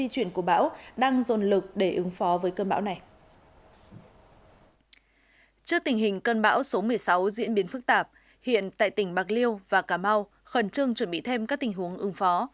trước tình hình cơn bão số một mươi sáu diễn biến phức tạp hiện tại tỉnh bạc liêu và cà mau khẩn trương chuẩn bị thêm các tình huống ứng phó